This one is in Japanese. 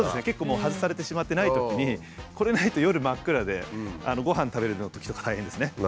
結構外されてしまってないときにこれないと夜真っ暗でごはん食べるときとか大変ですね。